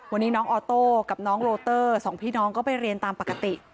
วันนี้น้องออโต้กับน้องโรเตอร์สองพี่น้องก็ไปเรียนตามปกติ